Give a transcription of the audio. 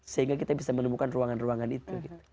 sehingga kita bisa menemukan ruangan ruangan itu